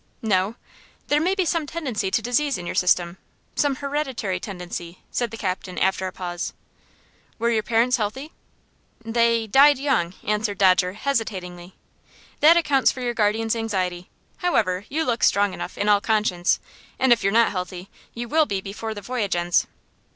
"No." "There may be some tendency to disease in your system some hereditary tendency," said the captain, after a pause. "Were your parents healthy?" "They died young," answered Dodger, hesitatingly. "That accounts for your guardian's anxiety. However, you look strong enough, in all conscience; and if you're not healthy, you will be before the voyage ends."